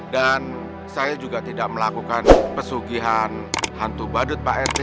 dan saya juga tidak melakukan pesugihan hantu badut pak rete